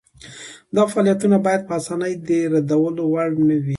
دا فعالیتونه باید په اسانۍ د ردولو وړ نه وي.